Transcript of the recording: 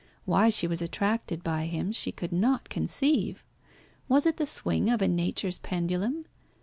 Why she was attracted by him she could not conceive. Was it the swing of a Nature's pendulum?